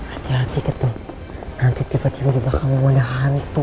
hati hati ketuh nanti tiba tiba dibakar mau ada hantu